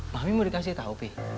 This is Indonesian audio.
mami mau dikasih tau pi